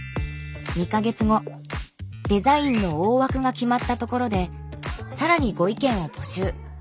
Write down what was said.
デザインの大枠が決まったところで更にご意見を募集。